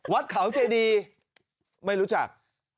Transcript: วัดเขาเจดีไม่รู้จัก